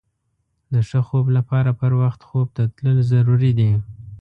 د ښه خوب لپاره پر وخت خوب ته تلل ضروري دي.